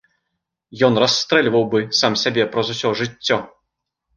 Ён расстрэльваў бы сам сябе праз усё жыццё.